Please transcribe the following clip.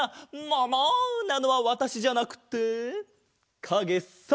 もも！なのはわたしじゃなくてかげさ！